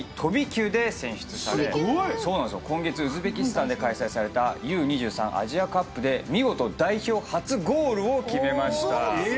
今月ウズベキスタンで開催されたＵ２３アジアカップで見事代表初ゴールを決めました。